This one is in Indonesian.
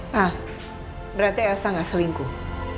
nah berarti elsa gak selingkuh